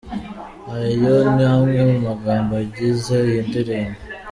" Ayo ni amwe mu magambo agize iyi ndirimbo.